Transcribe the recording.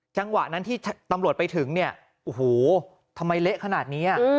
จังหวะนั้นที่ตำรวจไปถึงเนี่ยโอ้โหทำไมเละขนาดนี้